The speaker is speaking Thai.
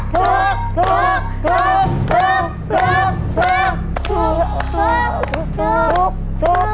ถูกครับค่ะ